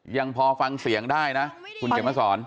ยังพอฟังเสียงได้นะคุณเขียนมาสอน